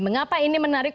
mengapa ini menarik